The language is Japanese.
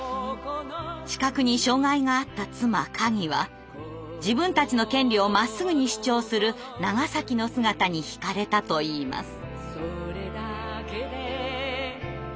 視覚に障害があった妻かぎは自分たちの権利をまっすぐに主張する長の姿に惹かれたといいます。